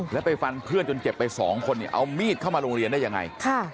แล้วไปฟันเพื่อนจนเจ็บไปสองคนเนี่ยเอามีดเข้ามาโรงเรียนได้ยังไง